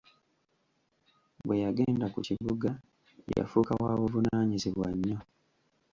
Bwe yagenda ku kibuga yafuuka wa buvunaanyizibwa nnyo.